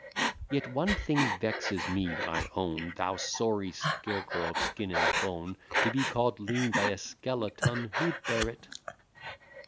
Yet one thing vexes me, I own, Thou sorry scarecrow of skin and bone; To be called lean by a skeleton, who'd bear it?